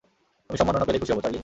আমি সম্মাননা পেলেই খুশি হবো, চার্লি।